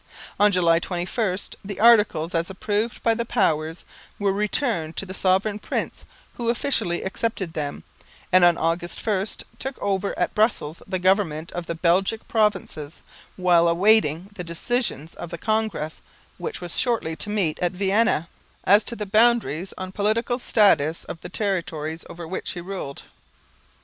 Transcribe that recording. On July 21 the Articles, as approved by the Powers, were returned to the Sovereign Prince, who officially accepted them, and on August 1 took over at Brussels the government of the Belgic provinces, while awaiting the decisions of the Congress, which was shortly to meet at Vienna, as to the boundaries and political status of the territories over which he ruled.